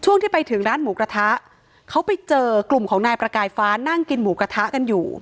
ที่ไปถึงร้านหมูกระทะเขาไปเจอกลุ่มของนายประกายฟ้านั่งกินหมูกระทะกันอยู่